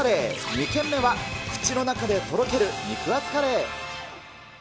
２軒目は、口の中でとろける肉厚カレー。